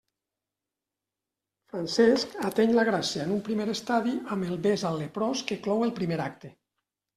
Francesc ateny la gràcia en un primer estadi amb el bes al leprós que clou el primer acte.